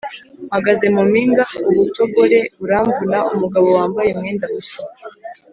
Mpagaze mu mpinga ubutogore buramvuna. Umugabo wambaye umwenda mushya.